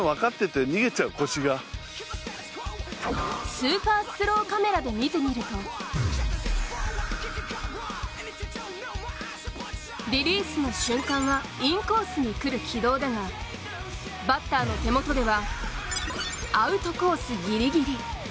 スーパースローカメラで見てみるとリリースの瞬間にはインコースに来る軌道だがバッターの手元ではアウトコースぎりぎり。